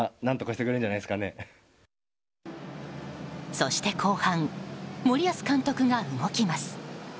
そして後半森保監督が動きます。